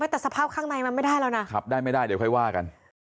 แต่สภาพข้างในมันไม่ได้แล้วนะขับได้ไม่ได้เดี๋ยวค่อยว่ากัน